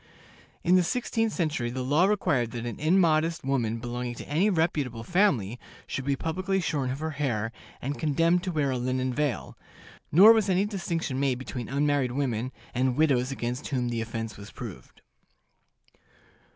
In the sixteenth century the law required that an immodest woman belonging to any reputable family should be publicly shorn of her hair, and condemned to wear a linen veil; nor was any distinction made between unmarried women and widows against whom the offense was proved.